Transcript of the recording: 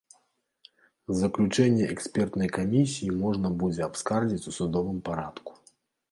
Заключэнне экспертнай камісіі можна будзе абскардзіць у судовым парадку.